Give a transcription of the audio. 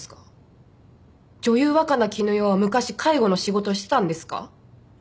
女優若菜絹代は昔介護の仕事をしてたんですか？